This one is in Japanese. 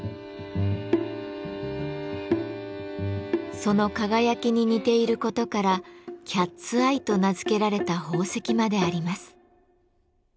その輝きに似ていることから「キャッツアイ」と名付けられた宝石まであります。